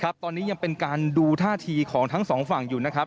ครับตอนนี้ยังเป็นการดูท่าทีของทั้งสองฝั่งอยู่นะครับ